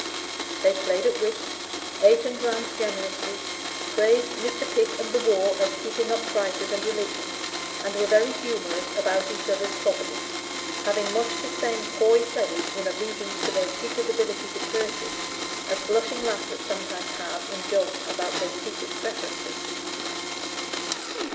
They played at whist, ate and drank generously, praised Mr. Pitt and the war as keeping up prices and religion, and were very humorous about each other's property, having much the same coy pleasure in allusions to their secret ability to purchase, as blushing lasses sometimes have in jokes about their secret preferences.